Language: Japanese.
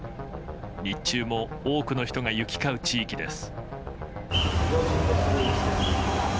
日中も多くの人が行き交う地域です。